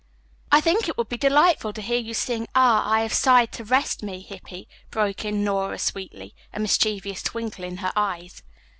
"I think it would be delightful to hear you sing, 'Ah, I Have Sighed to Rest Me,' Hippy," broke in Nora sweetly, a mischievous twinkle in her eyes.